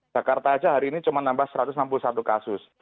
jakarta aja hari ini cuma nambah satu ratus enam puluh satu kasus